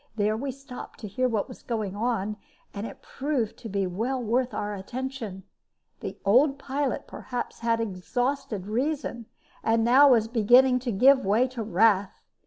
There we stopped to hear what was going on, and it proved to be well worth our attention. The old pilot perhaps had exhausted reason, and now was beginning to give way to wrath.